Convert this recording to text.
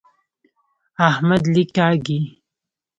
احمد لیک کاږي.